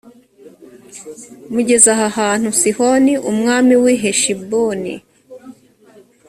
mugeze aha hantu sihoni umwami w’i heshiboni